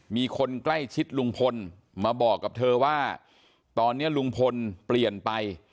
มีคนใกล้ชิดลุงพลมาบอกกับเธอว่าตอนนี้ลุงพลเปลี่ยนไป